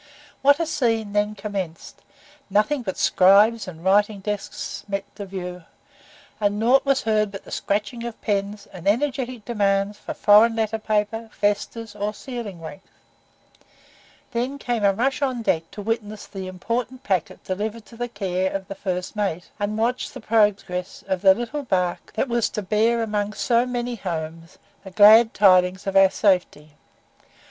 What a scene then commenced; nothing but scribes and writing desks met the view, and nought was heard but the scratching of pens, and energetic demands for foreign letter paper, vestas, or sealing wax; then came a rush on deck, to witness the important packet delivered to the care of the first mate, and watch the progress of the little bark that was to bear among so many homes the glad tidings of our safety.